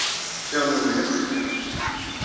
Tiɣmiwin akk cebḥent.